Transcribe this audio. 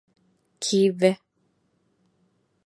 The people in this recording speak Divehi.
ކީއްވެ؟